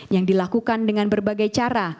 yang dilakukan dengan berbagai cara